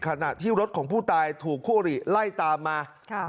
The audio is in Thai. ขณะที่รถของผู้ตายถูกคู่อริไล่ตามมา